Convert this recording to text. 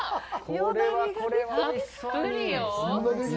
これはこれは。